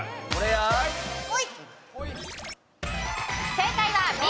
正解はＢ。